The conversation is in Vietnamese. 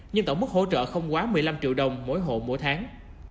nhưng tổng mức hỗ trợ không quá một mươi năm triệu đồng mỗi hộ mỗi tháng